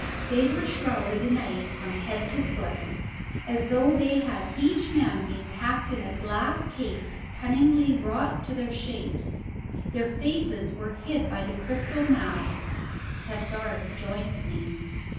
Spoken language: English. They were shrouded in ice from head to foot, as though they had each man been packed in a glass case cunningly wrought to their shapes. Their faces were hid by the crystal masks. Tassard joined me.